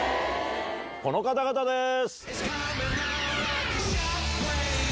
この方々です！